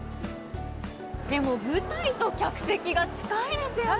でも舞台と客席が近いですよね。